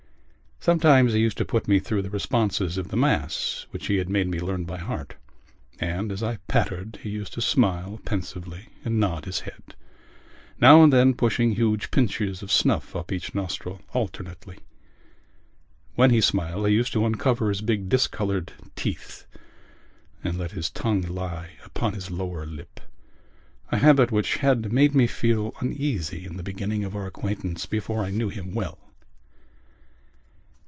Sometimes he used to put me through the responses of the Mass which he had made me learn by heart; and, as I pattered, he used to smile pensively and nod his head, now and then pushing huge pinches of snuff up each nostril alternately. When he smiled he used to uncover his big discoloured teeth and let his tongue lie upon his lower lip—a habit which had made me feel uneasy in the beginning of our acquaintance before I knew him well.